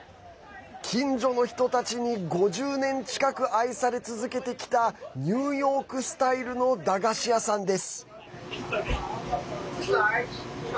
近所の人たちに５０年近く愛され続けてきたニューヨークスタイルの駄菓子屋さんです。